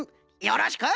よろしく！